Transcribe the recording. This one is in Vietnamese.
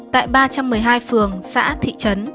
tại ba trăm một mươi hai phường xã thị trấn